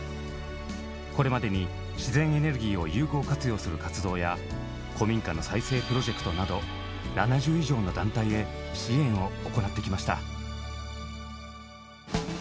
これまでに自然エネルギーを有効活用する活動や古民家の再生プロジェクトなど７０以上の団体へ支援を行ってきました。